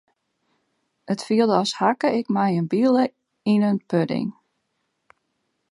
It fielde as hakke ik mei in bile yn in pudding.